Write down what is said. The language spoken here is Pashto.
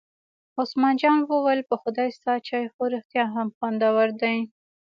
عثمان جان وویل: په خدای ستا چای خو رښتیا هم خوندور دی.